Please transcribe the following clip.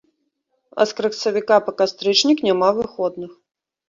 А з красавіка па кастрычнік няма выходных.